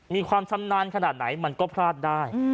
มีความชำนาญขนาดไหนมันก็พลาดได้